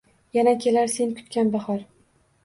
Yana kelar sen kutgan bahor!